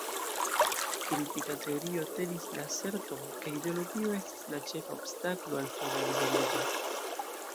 Kritika teorio tenis la aserton, ke ideologio estas la ĉefa obstaklo al homa liberiĝo.